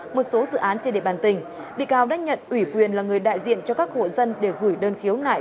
một số dự án trên địa bàn tỉnh bị cáo đã nhận ủy quyền là người đại diện cho các hộ dân để gửi đơn khiếu nại